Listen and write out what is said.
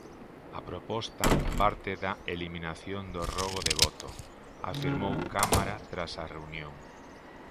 "A proposta parte da eliminación do rogo de voto", afirmou Cámara tras a reunión.